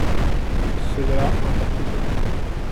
Cela importe peu.